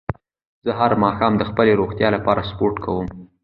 زه هر ماښام د خپلې روغتیا لپاره سپورت کووم